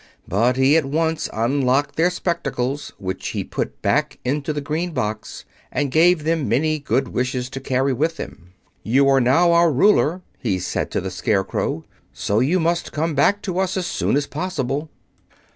But he at once unlocked their spectacles, which he put back into the green box, and gave them many good wishes to carry with them. "You are now our ruler," he said to the Scarecrow; "so you must come back to us as soon as possible."